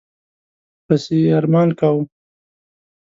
پسي یې ارمان کاوه.